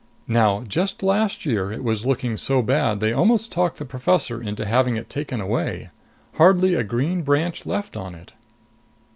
Now just last year it was looking so bad they almost talked the professor into having it taken away. Hardly a green branch left on it."